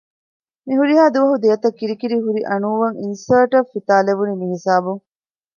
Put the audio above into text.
މިހުރިހާ ދުވަހު ދެއަތަށް ކިރިކިރި ހުރި އަނޫއަށް އިންސާރޓަށް ފިތާލެވުނީ މިހިސާބުން